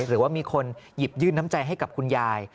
หรือว่ามีคนหยิบยื่นน้ำใจให้กับคุณยาย